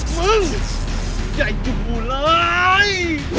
มึงอย่าอยู่กูเลย